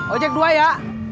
ojek dua ya